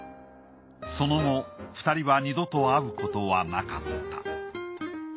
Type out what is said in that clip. その後２人は二度と会うことはなかった。